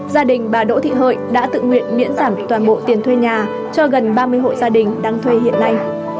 gia đình bà đỗ thị hợi đã tự nguyện miễn giảm toàn bộ tiền thuê nhà cho gần ba mươi hộ gia đình đang thuê hiện nay